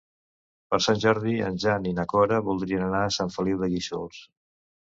Per Sant Jordi en Jan i na Cora voldrien anar a Sant Feliu de Guíxols.